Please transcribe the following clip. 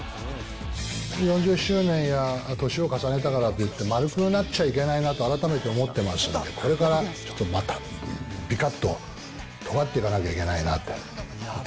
４０周年や年を重ねたからといって、丸くなっちゃいけないなと改めて思ってますので、これからちょっとまたぴかっととがっていかなきゃいけないなと。